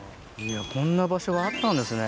こんな場所があったんですね。